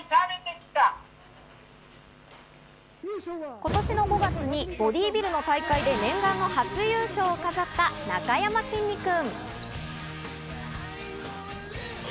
今年の５月にボディビルの大会で念願の初優勝を飾った、なかやまきんに君。